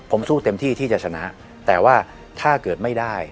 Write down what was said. ผมสู้เต็มที่ที่จะชนะแต่ว่าถ้าเกิดไม่ได้